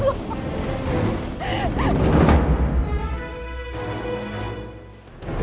pada saat ini